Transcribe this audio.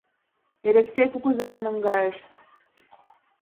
Элексей кугызам наҥгайышт.